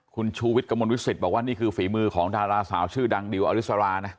คุณชูวิทย์กระมวลวิสิตบอกว่านี่คือฝีมือของดาราสาวชื่อดังดิวอริสรานะ